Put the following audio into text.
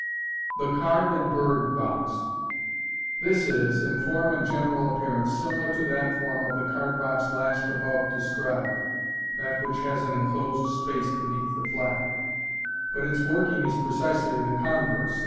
The "Card and Bird*' Box. — This is, in form and general appearance, similar to that form of the card box last above described (that which has an enclosed space beneath the flap), but its working is precisely the converse — i.